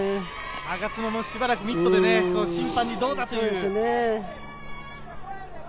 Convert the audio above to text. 我妻もしばらくミットで審判にどうだというね。